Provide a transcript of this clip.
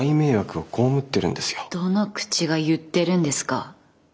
どの口が言ってるんですか？